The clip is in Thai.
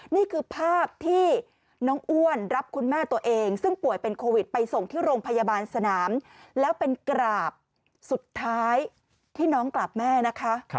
นี่คือภาพที่น้องอ้วนรับคุณแม่ตัวเองซึ่งป่วยเป็นโควิดไปส่งที่โรงพยาบาลสนามแล้วเป็นกราบสุดท้ายที่น้องกราบแม่นะคะ